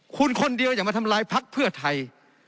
คุณคนเดียวอย่ามาทำลายพักเพื่อไทย